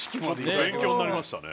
ちょっと勉強になりましたね。